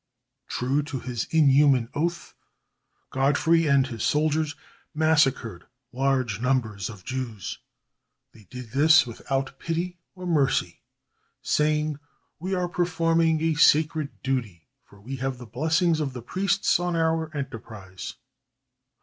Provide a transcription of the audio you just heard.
True to his inhuman oath, Godfrey and his soldiers massacred large numbers of Jews. They did this without pity or mercy, saying: "We are performing a sacred duty, for we have the blessings of the priests on our enterprise."